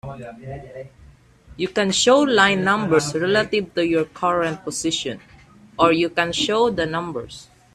You can show line numbers relative to your current position, or you can show the numbers.